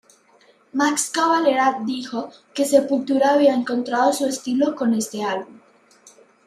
Max Cavalera dijo que Sepultura había encontrado su estilo con este álbum.